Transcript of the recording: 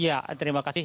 ya terima kasih